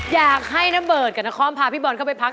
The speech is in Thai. อยากให้นเบิร์ดกับนครพาพี่บอลเข้าไปพัก